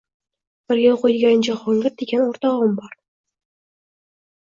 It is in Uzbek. Birga oʻqiydigan Jahongir degan oʻrtogʻim bor